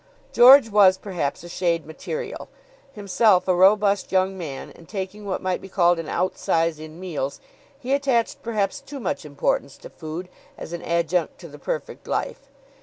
George was perhaps a shade material. Himself a robust young man and taking what might be called an outsize in meals, he attached perhaps too much importance to food as an adjunct to the perfect life.